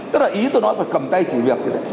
tức là ý tôi nói phải cầm tay chỉ việc đấy